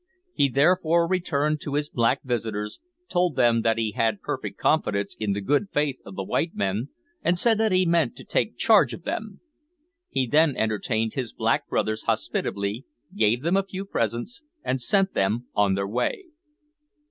He therefore returned to his black visitors, told them that he had perfect confidence in the good faith of the white men, and said that he meant to take charge of them. He then entertained his black brothers hospitably, gave them a few presents, and sent them on their way.